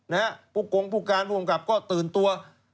นะฮะปุ๊กกงปุ๊กการภูมิกับก็ตื่นตัว